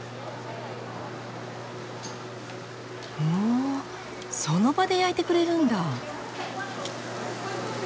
ふんその場で焼いてくれるんだ！